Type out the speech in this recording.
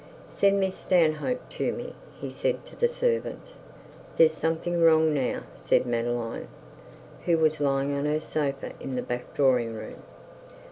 'Send Miss Stanhope to me,' he said to the servant. 'There's something wrong now,' said Madeline, who was lying on her sofa in the back drawing room.